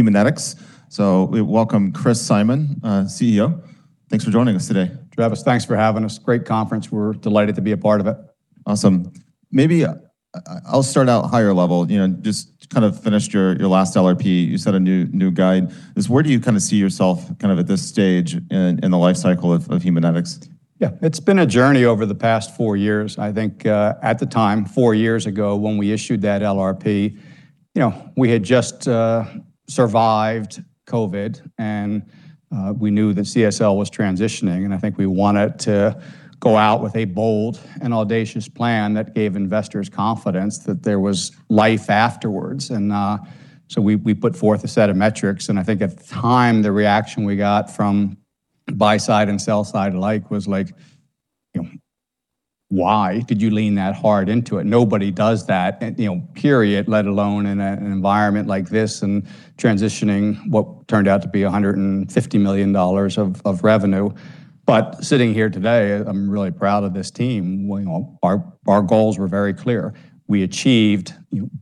Haemonetics. We welcome Chris Simon, CEO. Thanks for joining us today. Travis, thanks for having us. Great conference. We're delighted to be a part of it. Awesome. Maybe, I'll start out higher level. You know, just kind of finished your last LRP. You set a new guide. Just where do you kind of see yourself kind of at this stage in the life cycle of Haemonetics? Yeah. It's been a journey over the past four years. I think, at the time, four years ago, when we issued that LRP, you know, we had just survived COVID, and we knew that CSL was transitioning, and I think we wanted to go out with a bold and audacious plan that gave investors confidence that there was life afterwards. We put forth a set of metrics, and I think at the time, the reaction we got from buy side and sell side alike was like, "You know, why did you lean that hard into it? Nobody does that," you know, period, let alone in an environment like this and transitioning what turned out to be $150 million of revenue. Sitting here today, I'm really proud of this team. You know, our goals were very clear. We achieved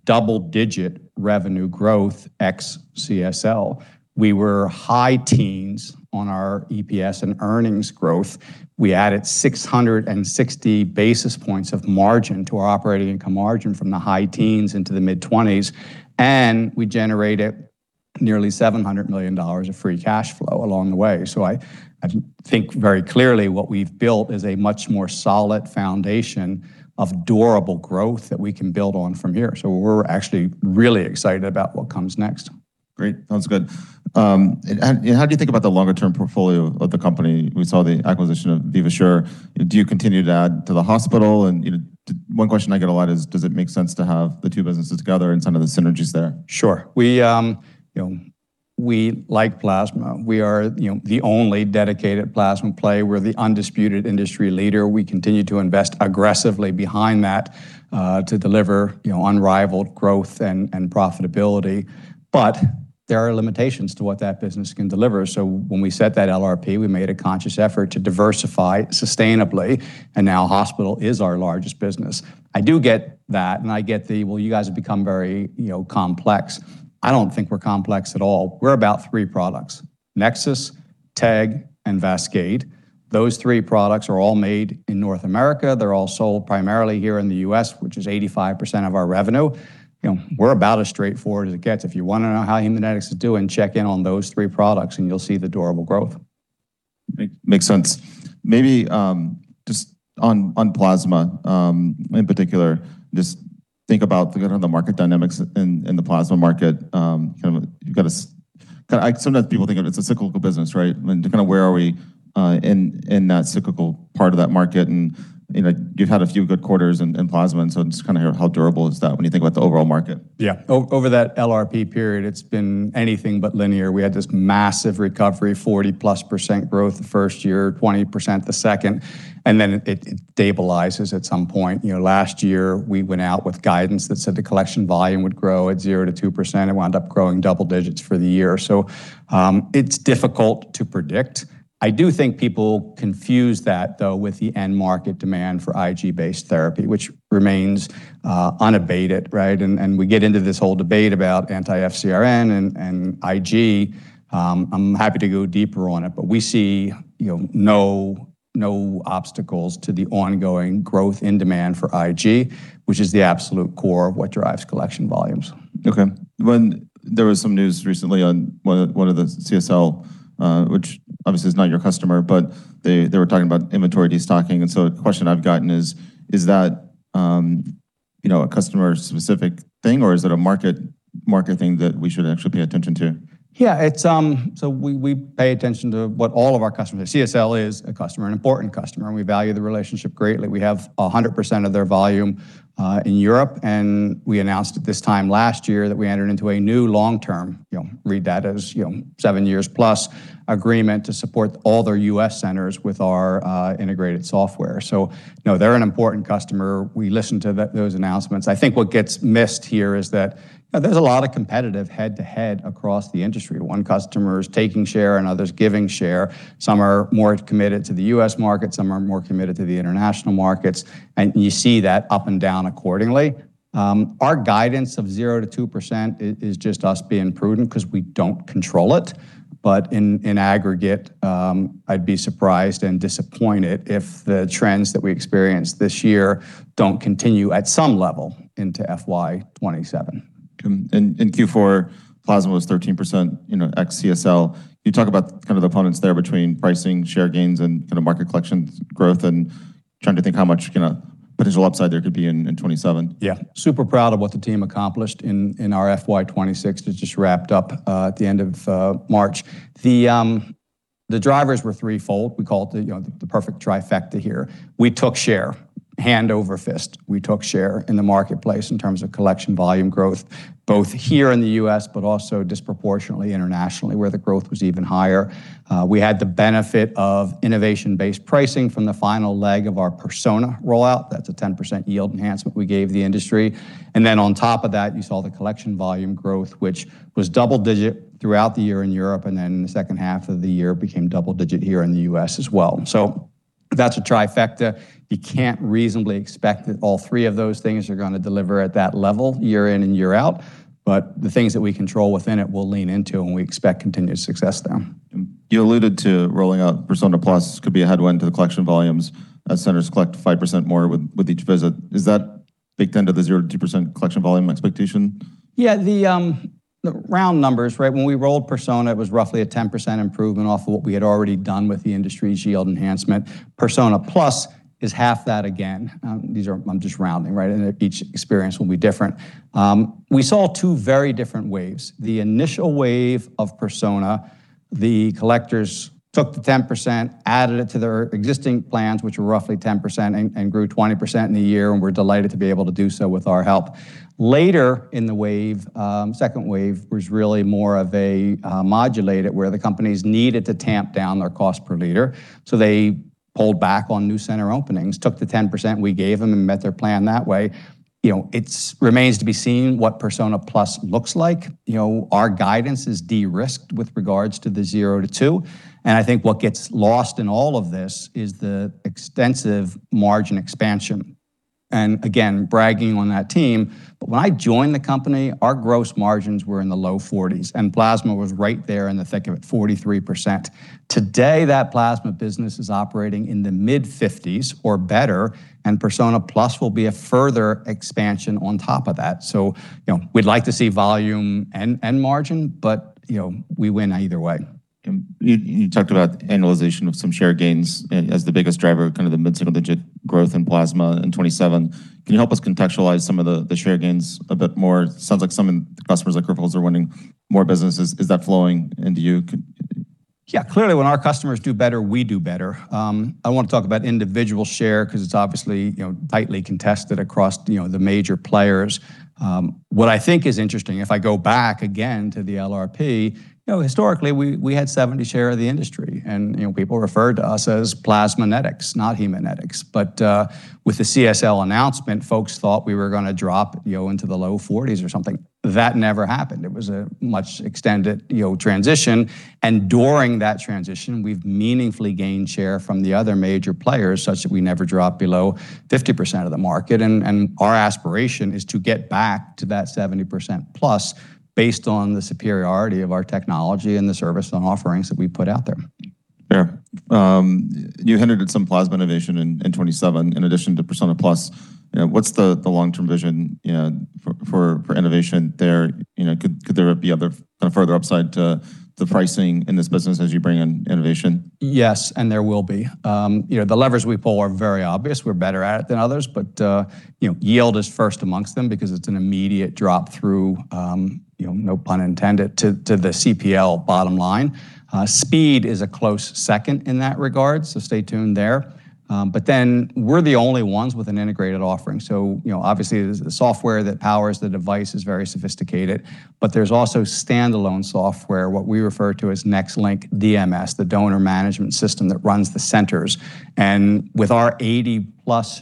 double-digit revenue growth ex-CSL. We were high teens on our EPS and earnings growth. We added 660 basis points of margin to our operating income margin from the high teens into the mid-20s, and we generated nearly $700 million of free cash flow along the way. I think very clearly what we've built is a much more solid foundation of durable growth that we can build on from here. We're actually really excited about what comes next. Great. Sounds good. How do you think about the longer term portfolio of the company? We saw the acquisition of Vivasure. Do you continue to add to the hospital? You know, one question I get a lot is, does it make sense to have the two businesses together and some of the synergies there? Sure. We, you know, we like plasma. We are, you know, the only dedicated plasma play. We're the undisputed industry leader. We continue to invest aggressively behind that to deliver, you know, unrivaled growth and profitability. There are limitations to what that business can deliver. When we set that LRP, we made a conscious effort to diversify sustainably, and now Hospital is our largest business. I do get that, and I get the, "Well, you guys have become very, you know, complex." I don't think we're complex at all. We're about three products: NexSys, TEG, and VASCADE. Those three products are all made in North America. They're all sold primarily here in the U.S., which is 85% of our revenue. You know, we're about as straightforward as it gets. If you want to know how Haemonetics is doing, check in on those three products and you'll see the durable growth. Makes sense. Maybe, just on plasma, in particular, just think about the kind of the market dynamics in the plasma market. kind of Sometimes people think of it as a cyclical business, right? kind of where are we in that cyclical part of that market? you know, you've had a few good quarters in plasma, I just kinda hear how durable is that when you think about the overall market. Over that LRP period, it's been anything but linear. We had this massive recovery, 40%+ growth the first year, 20% the second, then it stabilizes at some point. You know, last year we went out with guidance that said the collection volume would grow at 0%-2%. It wound up growing double digits for the year. It's difficult to predict. I do think people confuse that, though, with the end market demand for IG-based therapy, which remains unabated, right? We get into this whole debate about anti-FcRn and IG. I'm happy to go deeper on it, we see, you know, no obstacles to the ongoing growth in demand for IG, which is the absolute core of what drives collection volumes. Okay. When there was some news recently on one of the CSL, which obviously is not your customer, but they were talking about inventory destocking. A question I've gotten is that, you know, a customer-specific thing, or is it a market thing that we should actually pay attention to? We pay attention to what all of our customers. CSL is a customer, an important customer, and we value the relationship greatly. We have 100% of their volume in Europe, and we announced at this time last year that we entered into a new long-term, you know, read that as, you know, 7+ years agreement to support all their U.S. centers with our integrated software. No, they're an important customer. We listen to those announcements. I think what gets missed here is that, you know, there's a lot of competitive head-to-head across the industry. One customer is taking share, another is giving share. Some are more committed to the U.S. market, some are more committed to the international markets, and you see that up and down accordingly. Our guidance of 0%-2% is just us being prudent 'cause we don't control it. In aggregate, I'd be surprised and disappointed if the trends that we experience this year don't continue at some level into FY 2027. In Q4, plasma was 13%, you know, ex-CSL. You talk about kind of the components there between pricing, share gains, and kinda market collection growth and trying to think how much kinda potential upside there could be in 2027. Yeah. Super proud of what the team accomplished in our FY 2026 that just wrapped up at the end of March. The drivers were threefold. We call it the, you know, the perfect trifecta here. We took share hand over fist. We took share in the marketplace in terms of collection volume growth, both here in the U.S., but also disproportionately internationally, where the growth was even higher. We had the benefit of innovation-based pricing from the final leg of our Persona rollout. That's a 10% yield enhancement we gave the industry. On top of that, you saw the collection volume growth, which was double-digit throughout the year in Europe, and then the second half of the year became double-digit here in the U.S. as well. That's a trifecta. You can't reasonably expect that all three of those things are going to deliver at that level year in and year out. The things that we control within it, we'll lean into, and we expect continued success there. You alluded to rolling out Persona PLUS could be a headwind to the collection volumes as centers collect 5% more with each visit. Is that big 10% to the 0%-2% collection volume expectation? Yeah. The round numbers, right? When we rolled Persona, it was roughly a 10% improvement off of what we had already done with the industry's yield enhancement. Persona PLUS is half that again. I'm just rounding, right? Each experience will be different. We saw two very different waves. The initial wave of Persona, the collectors took the 10%, added it to their existing plans, which were roughly 10% and grew 20% in a year, we're delighted to be able to do so with our help. Later in the wave, second wave was really more of a modulate it, where the companies needed to tamp down their cost per liter. They pulled back on new center openings, took the 10% we gave them and met their plan that way. You know, it remains to be seen what Persona PLUS looks like. You know, our guidance is de-risked with regards to the 0%-2%, and I think what gets lost in all of this is the extensive margin expansion. Again, bragging on that team, but when I joined the company, our gross margins were in the low 40%s, and plasma was right there in the thick of it, 43%. Today, that plasma business is operating in the mid-50%s or better, and Persona PLUS will be a further expansion on top of that. You know, we'd like to see volume and margin, but, you know, we win either way. You talked about annualization of some share gains as the biggest driver of kind of the mid-single-digit growth in plasma in 2027. Can you help us contextualize some of the share gains a bit more? It sounds like some of the customers like Grifols are winning more businesses. Is that flowing into you? Yeah. Clearly, when our customers do better, we do better. I don't want to talk about individual share because it's obviously, you know, tightly contested across, you know, the major players. What I think is interesting, if I go back again to the LRP, you know, historically, we had 70% share of the industry, and, you know, people referred to us as Plasmanetics, not Haemonetics. With the CSL announcement, folks thought we were going to drop, you know, into the low 40%s or something. That never happened. It was a much extended, you know, transition, and during that transition, we've meaningfully gained share from the other major players such that we never dropped below 50% of the market. Our aspiration is to get back to that 70%+ based on the superiority of our technology and the service and offerings that we put out there. Fair. You hinted at some plasma innovation in 2027 in addition to Persona PLUS. You know, what's the long-term vision, you know, for innovation there? You know, could there be a further upside to the pricing in this business as you bring in innovation? Yes, and there will be. You know, the levers we pull are very obvious. We're better at it than others, but, you know, yield is first amongst them because it's an immediate drop through, you know, no pun intended, to the CPL bottom line. Speed is a close second in that regard, so stay tuned there. We're the only ones with an integrated offering. You know, obviously, the software that powers the device is very sophisticated, but there's also standalone software, what we refer to as NexLynk DMS, the Donor Management System that runs the centers. With our 80+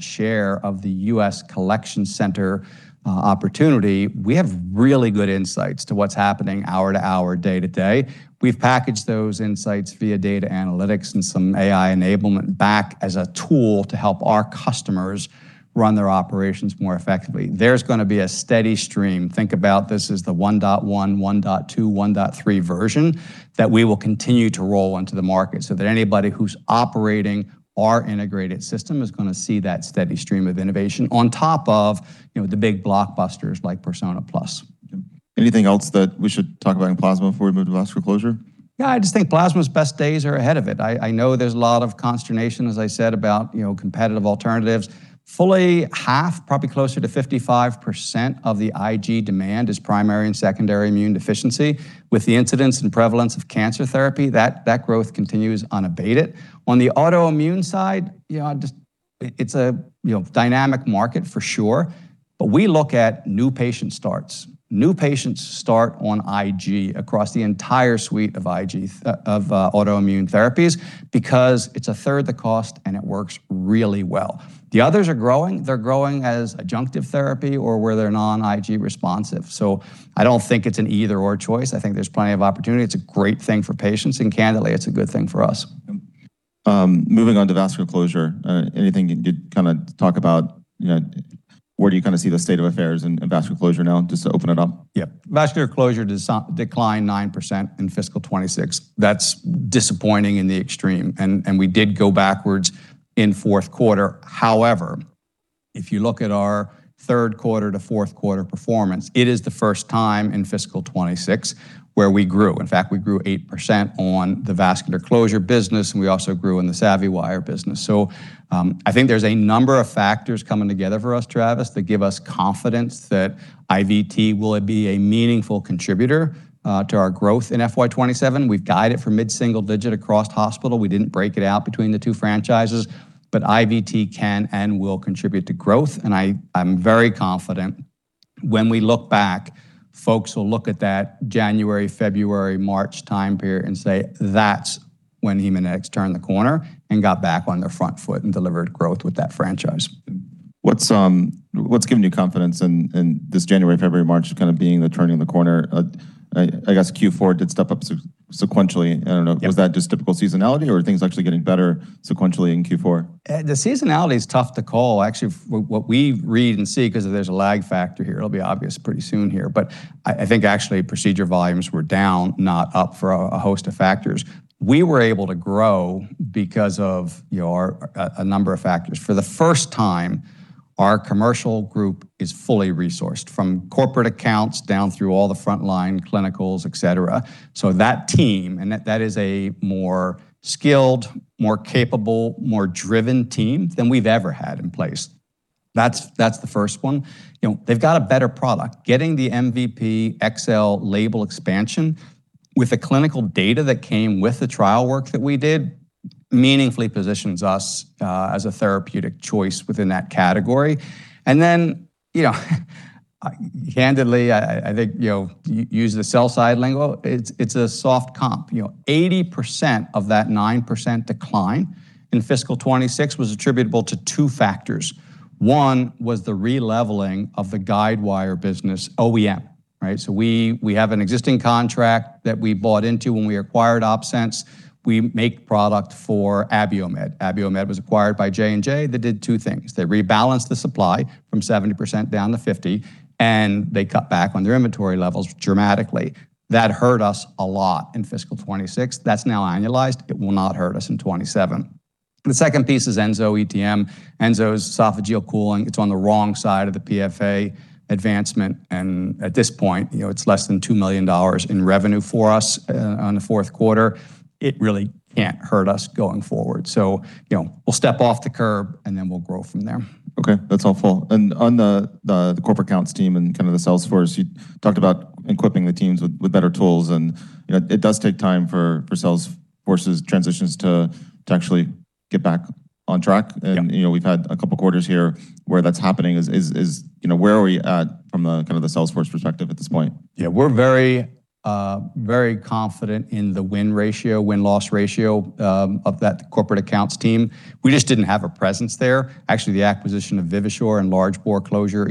share of the U.S. collection center opportunity, we have really good insights to what's happening hour to hour, day to day. We've packaged those insights via data analytics and some AI enablement back as a tool to help our customers run their operations more effectively. There's gonna be a steady stream. Think about this as the 1.1 version, 1.2 version, 1.3 version that we will continue to roll into the market so that anybody who's operating our integrated system is gonna see that steady stream of innovation on top of, you know, the big blockbusters like Persona PLUS. Anything else that we should talk about in plasma before we move to vascular closure? Yeah. I just think plasma's best days are ahead of it. I know there's a lot of consternation, as I said, about, you know, competitive alternatives. Fully half, probably closer to 55% of the IG demand is primary and secondary immune deficiency. With the incidence and prevalence of cancer therapy, that growth continues unabated. On the autoimmune side, you know, it's a, you know, dynamic market for sure, but we look at new patient starts. New patients start on IG across the entire suite of IG autoimmune therapies because it's a third the cost, and it works really well. The others are growing. They're growing as adjunctive therapy or where they're non-IG responsive. I don't think it's an either/or choice. I think there's plenty of opportunity. It's a great thing for patients, and candidly, it's a good thing for us. Moving on to vascular closure, anything you'd kinda talk about, you know, where do you kinda see the state of affairs in vascular closure now, just to open it up? Yeah. vascular closure declined 9% in fiscal 2026. That's disappointing in the extreme, and we did go backwards in fourth quarter. However, if you look at our third quarter to fourth quarter performance, it is the first time in fiscal 2026 where we grew. In fact, we grew 8% on the vascular closure business, and we also grew in the SavvyWire business. I think there's a number of factors coming together for us, Travis, that give us confidence that IVT will be a meaningful contributor to our growth in FY 2027. We've guided for mid-single digit across hospital. We didn't break it out between the two franchises, but IVT can and will contribute to growth, and I'm very confident when we look back, folks will look at that January, February, March time period and say, "That's when Haemonetics turned the corner and got back on their front foot and delivered growth with that franchise. What's given you confidence in this January, February, March kind of being the turning the corner? I guess Q4 did step up sequentially. I don't know. Yeah. Was that just typical seasonality or are things actually getting better sequentially in Q4? The seasonality is tough to call. Actually what we read and see, 'cause there's a lag factor here, it'll be obvious pretty soon here. I think actually procedure volumes were down, not up, for a host of factors. We were able to grow because of, you know, a number of factors. For the first time, our commercial group is fully resourced, from corporate accounts down through all the frontline clinicals, et cetera. That team, and that is a more skilled, more capable, more driven team than we've ever had in place. That's the first one. You know, they've got a better product. Getting the MVP XL label expansion with the clinical data that came with the trial work that we did meaningfully positions us as a therapeutic choice within that category. You know, candidly, I think, you know, use the sell side lingo, it's a soft comp. You know, 80% of that 9% decline in FY 2026 was attributable to two factors. One was the releveling of the guidewire business OEM, right? We have an existing contract that we bought into when we acquired OpSens. We make product for Abiomed. Abiomed was acquired by J&J that did two things. They rebalanced the supply from 70% down to 50%, and they cut back on their inventory levels dramatically. That hurt us a lot in FY 2026. That's now annualized. It will not hurt us in 2027. The second piece is ensoETM. ensoETM esophageal cooling, it's on the wrong side of the PFA advancement. At this point, you know, it's less than $2 million in revenue for us on the fourth quarter. It really can't hurt us going forward. You know, we'll step off the curb and then we'll grow from there. Okay. That's helpful. On the corporate accounts team and kind of the sales force, you talked about equipping the teams with better tools and, you know, it does take time for sales forces transitions to actually get back on track. Yeah. You know, we've had a couple quarters here where that's happening is. You know, where are we at from the kind of the sales force perspective at this point? We're very confident in the win ratio, win-loss ratio of that corporate accounts team. We just didn't have a presence there. Actually, the acquisition of Vivasure and large-bore closure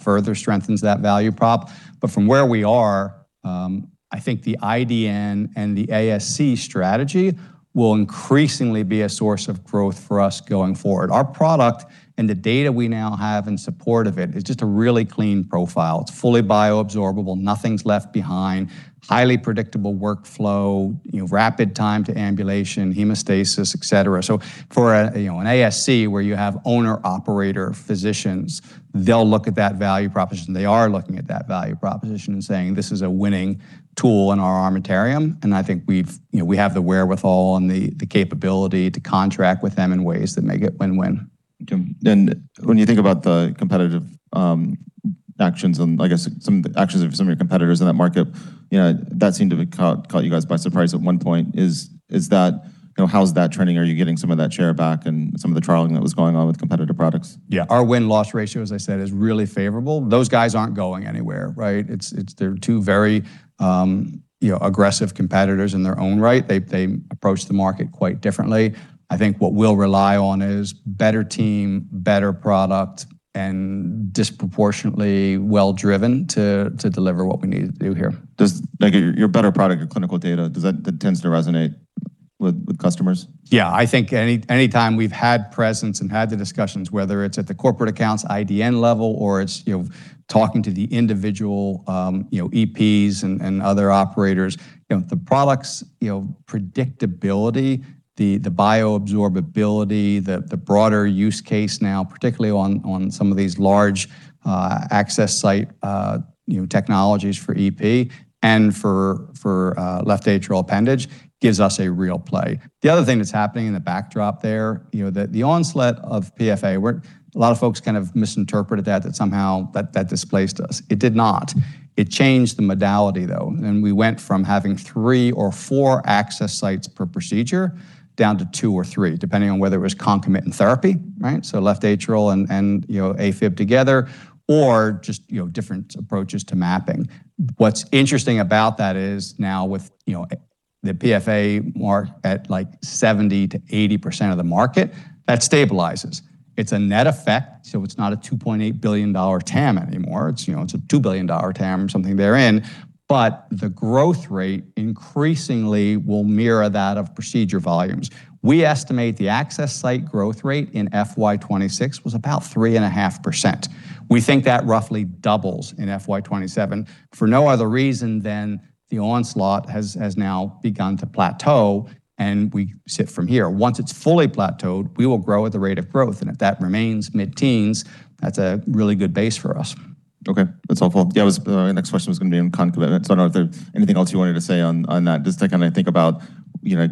further strengthens that value prop. From where we are, I think the IDN and the ASC strategy will increasingly be a source of growth for us going forward. Our product and the data we now have in support of it is just a really clean profile. It's fully bioabsorbable, nothing's left behind, highly predictable workflow, you know, rapid time to ambulation, hemostasis, et cetera. For a, you know, an ASC where you have owner-operator physicians, they'll look at that value proposition. They are looking at that value proposition and saying, "This is a winning tool in our armamentarium." I think you know, we have the wherewithal and the capability to contract with them in ways that make it win-win. When you think about the competitive actions and I guess some of the actions of some of your competitors in that market, you know, that seemed to have caught you guys by surprise at one point. You know, how's that trending? Are you getting some of that share back and some of the trialing that was going on with competitive products? Yeah. Our win-loss ratio, as I said, is really favorable. Those guys aren't going anywhere, right? They're two very, you know, aggressive competitors in their own right. They approach the market quite differently. I think what we'll rely on is better team, better product, and disproportionately well driven to deliver what we need to do here. Like your better product or clinical data, does that tends to resonate with customers? I think anytime we've had presence and had the discussions, whether it's at the corporate accounts IDN level or it's, you know, talking to the individual, you know, EPs and other operators. You know, the products, you know, predictability, the bioabsorbability, the broader use case now, particularly on some of these large access site, you know, technologies for EP and for left atrial appendage gives us a real play. The other thing that's happening in the backdrop there, you know, the onslaught of PFA, where a lot of folks kind of misinterpreted that somehow that displaced us. It did not. It changed the modality though. We went from having three or four access sites per procedure down to two or three, depending on whether it was concomitant therapy, right? Left atrial and, you know, AFib together or just, you know, different approaches to mapping. What's interesting about that is now with, you know, the PFA mark at like 70%-80% of the market, that stabilizes. It's a net effect, it's not a $2.8 billion TAM anymore. It's, you know, it's a $2 billion TAM or something therein. The growth rate increasingly will mirror that of procedure volumes. We estimate the access site growth rate in FY 2026 was about 3.5%. We think that roughly doubles in FY 2027 for no other reason than the onslaught has now begun to plateau, and we sit from here. Once it's fully plateaued, we will grow at the rate of growth, and if that remains mid-teens, that's a really good base for us. Okay. That's helpful. Yeah, my next question was gonna be on concomitant, I don't know if there anything else you wanted to say on that. Just to kinda think about, you know,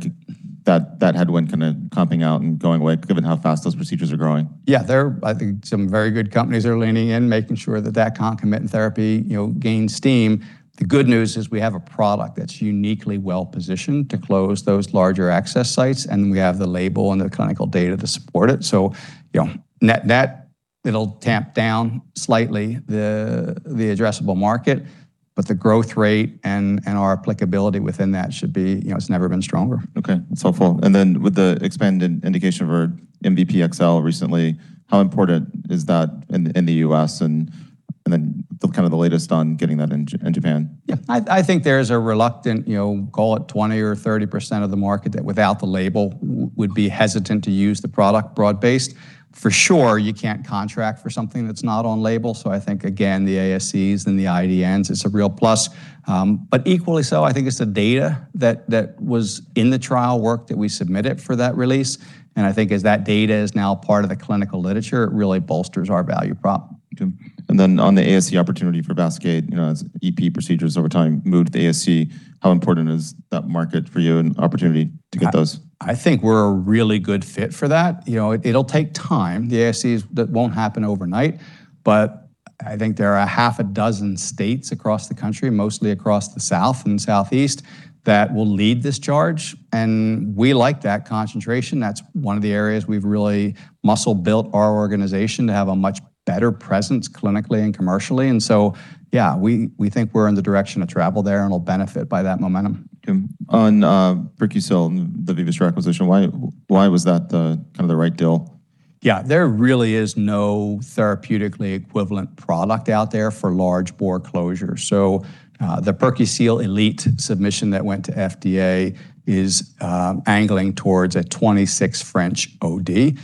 that headwind kinda comping out and going away given how fast those procedures are growing. Yeah. There are, I think, some very good companies are leaning in, making sure that that concomitant therapy, you know, gains steam. The good news is we have a product that's uniquely well-positioned to close those larger access sites, and we have the label and the clinical data to support it. You know, net that, it'll tamp down slightly the addressable market. The growth rate and our applicability within that should be, you know, it's never been stronger. Okay. That's helpful. With the expanded indication for MVP XL recently, how important is that in the U.S. and then the kind of the latest on getting that in Japan? Yeah. I think there's a reluctant, you know, call it 20% or 30% of the market that without the label would be hesitant to use the product broad-based. For sure, you can't contract for something that's not on label. I think again, the ASCs and the IDNs, it's a real plus. But equally so, I think it's the data that was in the trial work that we submitted for that release. I think as that data is now part of the clinical literature, it really bolsters our value prop. On the ASC opportunity for VASCADE, you know, as EP procedures over time move to the ASC, how important is that market for you and opportunity to get those? I think we're a really good fit for that. You know, it'll take time. The ASCs, that won't happen overnight. I think there are a half a dozen states across the country, mostly across the South and Southeast, that will lead this charge, and we like that concentration. That's one of the areas we've really muscle built our organization to have a much better presence clinically and commercially. Yeah, we think we're in the direction of travel there and will benefit by that momentum. On, PerQseal, the previous acquisition, why was that the kind of the right deal? Yeah. There really is no therapeutically equivalent product out there for large-bore closures. The PerQseal Elite submission that went to FDA is angling towards a 26 French OD.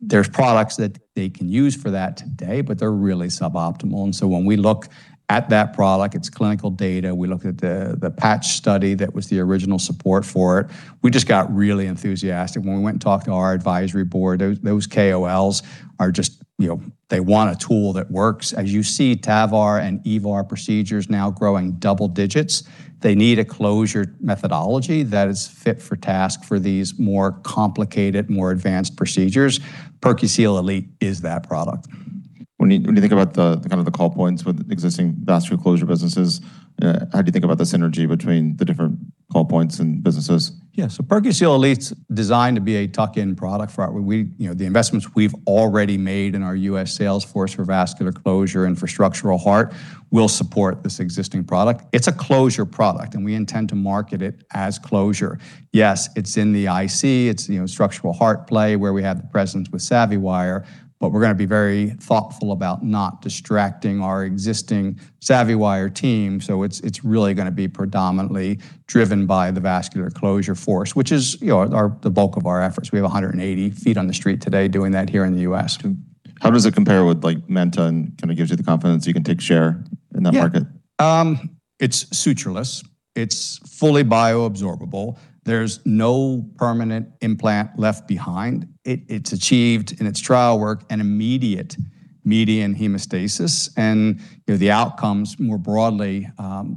There's products that they can use for that today, but they're really suboptimal. When we look at that product, its clinical data, we look at the PRAGUE-17 trial that was the original support for it. We just got really enthusiastic when we went and talked to our advisory board. Those KOLs are just, you know, they want a tool that works. As you see TAVR and EVAR procedures now growing double digits, they need a closure methodology that is fit for task for these more complicated, more advanced procedures. PerQseal Elite is that product. When you think about the kind of the call points with existing vascular closure businesses, how do you think about the synergy between the different call points and businesses? Yeah. PerQseal Elite's designed to be a tuck-in product for our, you know, the investments we've already made in our U.S. sales force for vascular closure and for structural heart will support this existing product. It's a closure product, we intend to market it as closure. Yes, it's in the IC, it's, you know, structural heart play where we have the presence with SavvyWire, we're gonna be very thoughtful about not distracting our existing SavvyWire team. It's really gonna be predominantly driven by the vascular closure force, which is, you know, the bulk of our efforts. We have 180 ft on the street today doing that here in the U.S. How does it compare with like MANTA and kind of gives you the confidence you can take share in that market? It's sutureless, it's fully bioabsorbable. There's no permanent implant left behind. It's achieved in its trial work an immediate median hemostasis and, you know, the outcomes more broadly,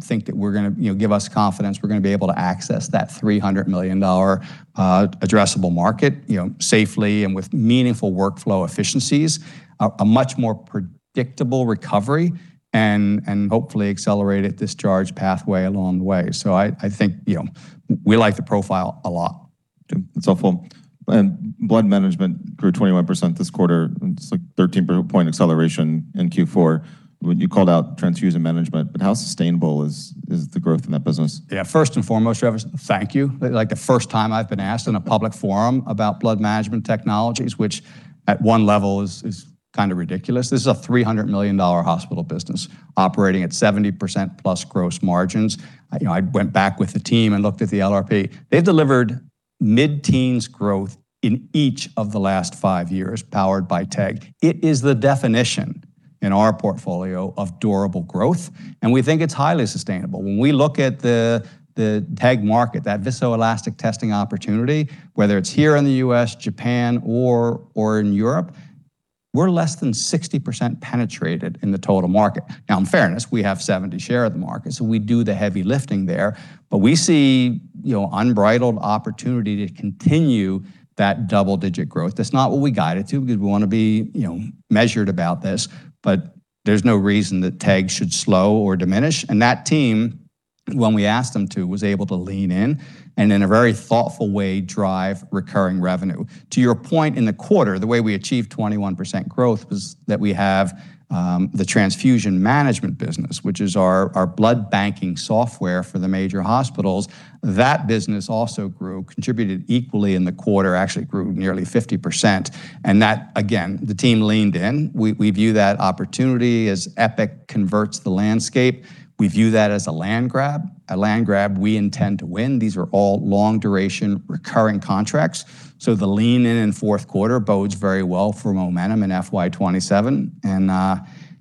think that we're gonna, you know, give us confidence we're gonna be able to access that $300 million addressable market, you know, safely and with meaningful workflow efficiencies. A much more predictable recovery and hopefully accelerated discharge pathway along the way. I think, you know, we like the profile a lot. That's helpful. Blood management grew 21% this quarter. It's like 13 point acceleration in Q4. You called out transfusion management, how sustainable is the growth in that business? First and foremost, Travis, thank you. Like the first time I've been asked in a public forum about blood management technologies, which at one level is kind of ridiculous. This is a $300 million hospital business operating at 70%+ gross margins. You know, I went back with the team and looked at the LRP. They've delivered mid-teens growth in each of the last five years powered by TEG. It is the definition in our portfolio of durable growth, and we think it's highly sustainable. When we look at the TEG market, that viscoelastic testing opportunity, whether it's here in the U.S., Japan, or in Europe, we're less than 60% penetrated in the total market. Now, in fairness, we have 70 share of the market, so we do the heavy lifting there. We see, you know, unbridled opportunity to continue that double-digit growth. That's not what we guide it to because we wanna be, you know, measured about this, but there's no reason that TEG should slow or diminish. That team, when we asked them to, was able to lean in, and in a very thoughtful way, drive recurring revenue. To your point in the quarter, the way we achieved 21% growth was that we have the transfusion management business, which is our blood banking software for the major hospitals. That business also grew, contributed equally in the quarter, actually grew nearly 50%. That again, the team leaned in. We view that opportunity as Epic converts the landscape. We view that as a land grab. A land grab we intend to win. These are all long duration recurring contracts. The lean in in fourth quarter bodes very well for momentum in FY 2027.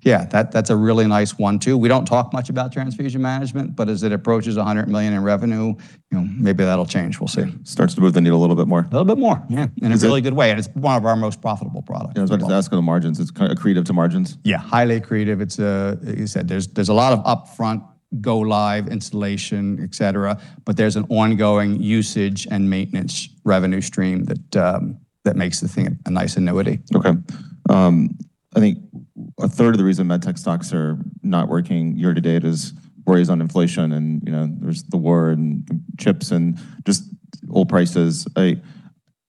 Yeah, that's a really nice one too. We don't talk much about transfusion management, but as it approaches $100 million in revenue, you know, maybe that'll change. We'll see. Starts to move the needle a little bit more. A little bit more. Yeah. In a really good way, and it's one of our most profitable products. Yeah. It's like vascular margins. It's kind of accretive to margins. Yeah. Highly accretive. It's, as you said, there's a lot of upfront go live installation, et cetera, but there's an ongoing usage and maintenance revenue stream that makes the thing a nice annuity. Okay. I think a third of the reason medtech stocks are not working year to date is worries on inflation and, you know, there's the war and chips and just oil prices, right?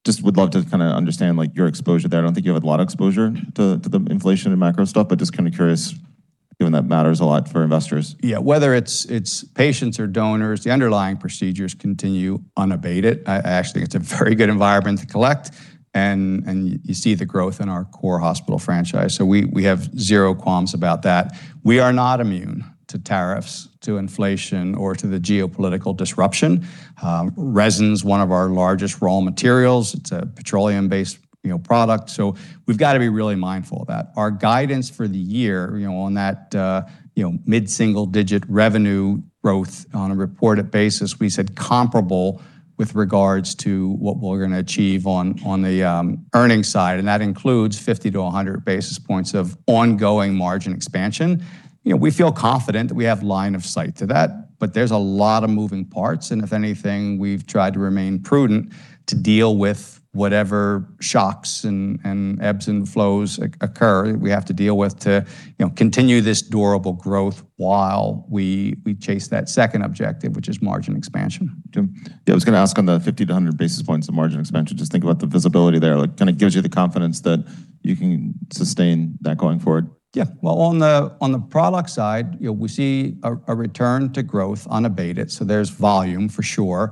Just would love to kind of understand, like, your exposure there. I don't think you have a lot of exposure to the inflation and macro stuff, but just kind of curious, given that matters a lot for investors. Yeah. Whether it's patients or donors, the underlying procedures continue unabated. I actually think it's a very good environment to collect, and you see the growth in our core hospital franchise. We have zero qualms about that. We are not immune to tariffs, to inflation, or to the geopolitical disruption. Resin's one of our largest raw materials. It's a petroleum-based, you know, product, so we've gotta be really mindful of that. Our guidance for the year, you know, on that, you know, mid-single-digit revenue growth on a reported basis, we said comparable with regards to what we're gonna achieve on the earnings side, and that includes 50 basis points-100 basis points of ongoing margin expansion. You know, we feel confident that we have line of sight to that, but if anything, we've tried to remain prudent to deal with whatever shocks and ebbs and flows occur that we have to deal with to, you know, continue this durable growth while we chase that second objective, which is margin expansion too. Yeah. I was gonna ask on the 50 basis points-100 basis points of margin expansion, just think about the visibility there. Like, kinda gives you the confidence that you can sustain that going forward? Well, on the product side, you know, we see a return to growth unabated, so there's volume for sure.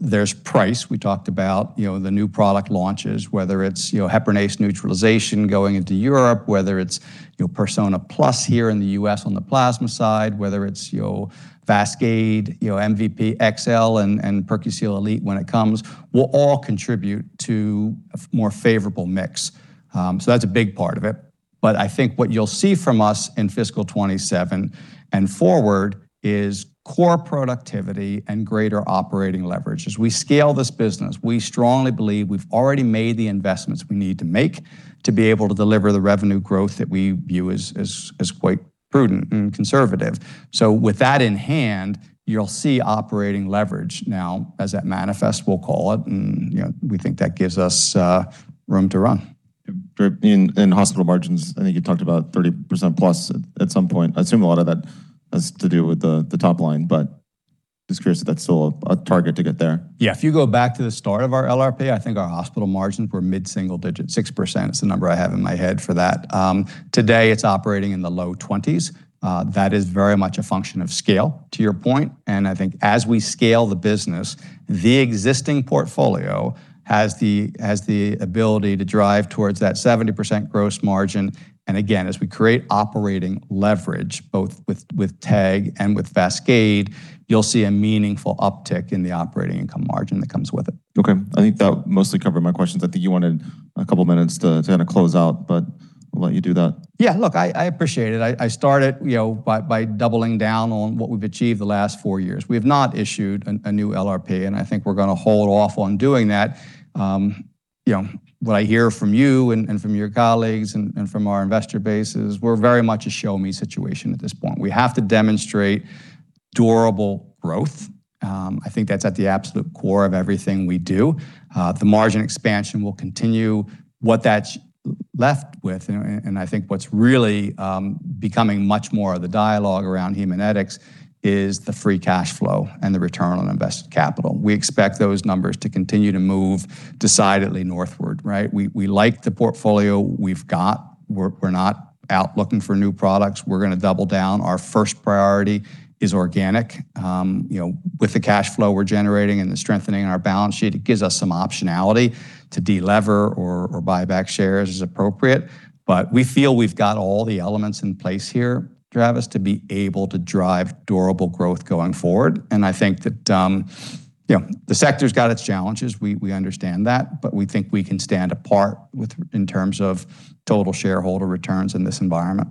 There's price. We talked about, you know, the new product launches, whether it's, you know, heparin neutralization going into Europe, whether it's, you know, Persona PLUS here in the U.S. on the plasma side, whether it's, you know, VASCADE, MVP XL and PerQseal Elite when it comes, will all contribute to a more favorable mix. That's a big part of it. I think what you'll see from us in FY 2027 and forward is core productivity and greater operating leverage. As we scale this business, we strongly believe we've already made the investments we need to make to be able to deliver the revenue growth that we view as quite prudent and conservative. With that in hand, you'll see operating leverage now as that manifests, we'll call it, and, you know, we think that gives us room to run. Great. In hospital margins, I think you talked about 30%+ at some point. I assume a lot of that has to do with the top line, but just curious if that's still a target to get there. Yeah. If you go back to the start of our LRP, I think our hospital margins were mid-single digit, 6% is the number I have in my head for that. Today it's operating in the low 20s. That is very much a function of scale, to your point, and I think as we scale the business, the existing portfolio has the ability to drive towards that 70% gross margin. Again, as we create operating leverage, both with TEG and with VASCADE, you'll see a meaningful uptick in the operating income margin that comes with it. Okay. I think that mostly covered my questions. I think you wanted a couple minutes to kinda close out, but I'll let you do that. Yeah. Look, I appreciate it. I started, you know, by doubling down on what we've achieved the last four years. We have not issued a new LRP. I think we're gonna hold off on doing that. You know, what I hear from you and from your colleagues and from our investor base is we're very much a show me situation at this point. We have to demonstrate durable growth. I think that's at the absolute core of everything we do. The margin expansion will continue. What that's left with, and I think what's really becoming much more of the dialogue around Haemonetics is the free cash flow and the return on invested capital. We expect those numbers to continue to move decidedly northward, right? We like the portfolio we've got. We're not out looking for new products. We're gonna double down. Our first priority is organic. You know, with the cash flow we're generating and the strengthening in our balance sheet, it gives us some optionality to de-lever or buy back shares as appropriate. We feel we've got all the elements in place here, Travis, to be able to drive durable growth going forward, and I think that, you know, the sector's got its challenges. We understand that, we think we can stand apart in terms of total shareholder returns in this environment.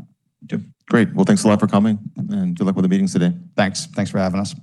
Great. Well, thanks a lot for coming, and good luck with the meetings today. Thanks. Thanks for having us.